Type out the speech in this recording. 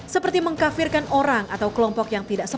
seperti mengkafirkan orang atau kelompok yang berpengaruh dengan telegram